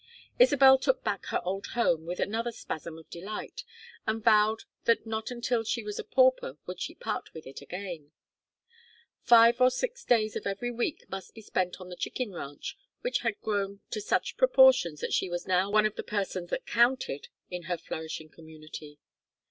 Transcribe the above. Isabel took back her old home with another spasm of delight, and vowed that not until she was a pauper would she part with it again. Five or six days of every week must be spent on the chicken ranch, which had grown to such proportions that she was now one of the persons that counted in her flourishing community.